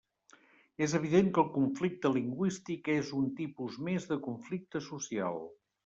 És evident que el conflicte lingüístic és un tipus més de conflicte social.